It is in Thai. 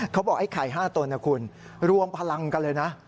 เขาบอกไอ้ไข่๕ตนนะคุณรวมพลังกันเลยนะ